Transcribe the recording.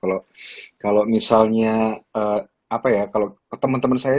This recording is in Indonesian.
harian juga sangat terdampak banget gitu kalau kalau misalnya apa ya kalau ke teman teman saya